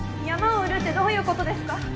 山を売るってどういう事ですか？